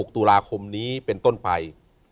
ตุลาคมนี้เป็นต้นไป